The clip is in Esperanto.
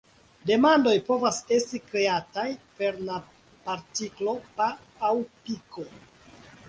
Demandoj povas esti kreataj per la partiklo -"pa" aŭ "piko".